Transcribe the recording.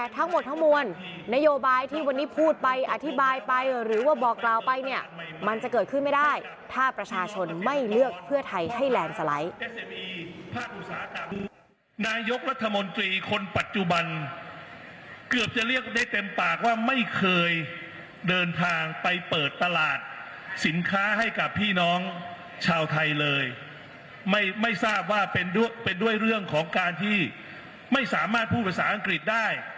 ถ้าประชาชนไม่เลือกเพื่อไทยให้แลนด์สไลด์